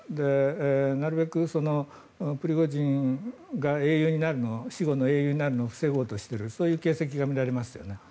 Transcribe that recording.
なるべくプリゴジンが死後の英雄になろうとしているそういう形跡が見られますよね。